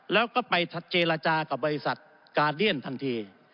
แล้วก็ไปเจรจากับบริษัทกาเลียนทันที